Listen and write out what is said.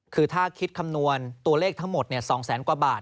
คือถ้าคิดคำนวณตัวเลขทั้งหมดเนี่ย๒๐๐๐๐๐กว่าบาท